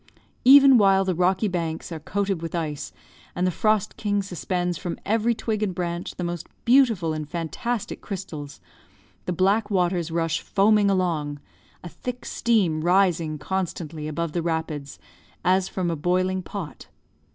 Even while the rocky banks are coated with ice, and the frost king suspends from every twig and branch the most beautiful and fantastic crystals, the black waters rush foaming along, a thick steam rising constantly above the rapids, as from a boiling pot.